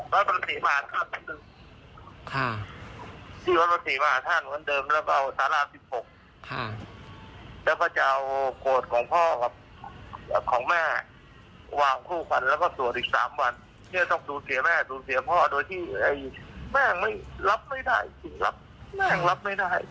รับไม่ได้แม่เหนื่อยว่างแคโรนีหน่อยว่างแคโรนีรู้ไหม